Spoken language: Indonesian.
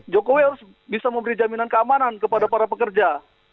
jokowi harus bisa memberi jaminan keamanan kepada para pekerja